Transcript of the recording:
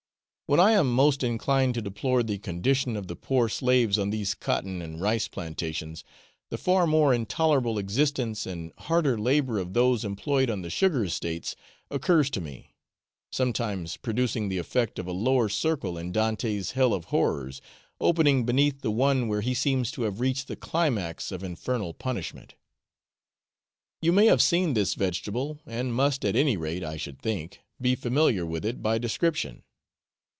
When I am most inclined to deplore the condition of the poor slaves on these cotton and rice plantations, the far more intolerable existence and harder labour of those employed on the sugar estates occurs to me, sometimes producing the effect of a lower circle in Dante's 'Hell of Horrors,' opening beneath the one where he seems to have reached the climax of infernal punishment. You may have seen this vegetable, and must, at any rate, I should think, be familiar with it by description.